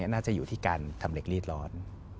น่าจะอยู่ที่การทำเหล็กรีดร้อน